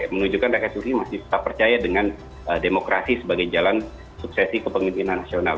menunjukkan rakyat turki masih tak percaya dengan demokrasi sebagai jalan suksesi kepemimpinan nasional